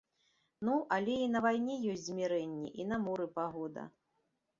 Ну, але і на вайне ёсць замірэнні, і на моры пагода.